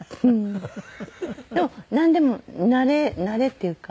でもなんでも慣れっていうか。